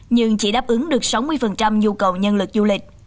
nhưng chỉ đáp ứng được sáu mươi nhu cầu nhân lực du lịch